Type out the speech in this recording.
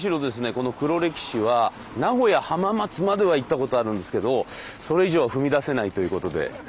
この「黒歴史」は名古屋浜松までは行ったことあるんですけどそれ以上は踏み出せないということで。